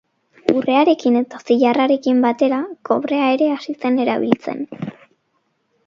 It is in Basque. Urrearekin eta zilarrarekin batera kobrea ere hasi zen erabiltzen.